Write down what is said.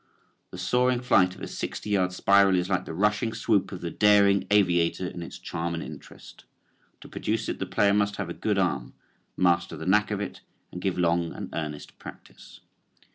The soaring flight of a sixty yard spiral is like the rushing swoop of the daring aviator in its charm and interest. To produce it the player must have a good arm, master the knack of it and give long and earnest practice.